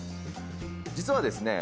実はですね